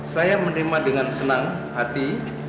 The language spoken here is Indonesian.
saya menerima dengan senang hati